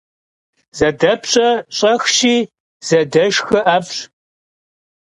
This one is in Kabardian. Zedepş'e ş'exşi, zedeşşxe 'ef'ş.